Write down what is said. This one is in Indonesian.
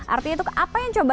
artinya itu apa yang coba